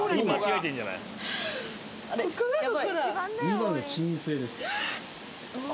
２番が金星です。